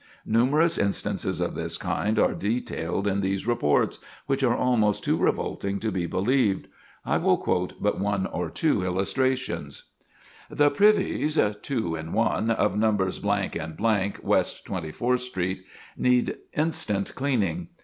Numerous instances of this kind are detailed in these reports, which are almost too revolting to be believed. I will quote but one or two illustrations: "The privies (two in one) of Nos. and West Twenty fourth Street need instant cleaning.